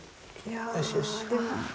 よしよし。